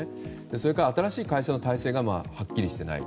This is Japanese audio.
それから新しい会社の体制がはっきりしていない。